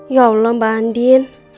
ya allah mbak andin